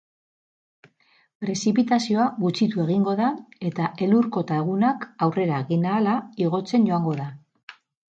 Prezipitazioa gutxitu egingo da eta elur-kota egunak aurrera egin ahala igotzen joango da.